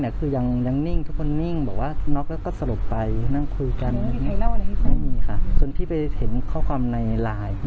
แล้วมีคนยอมรับค่ะยอมรับตั้งแต่เมื่อ๘๙แต่ยังไม่เห็นมาทำอะไรเลยนะ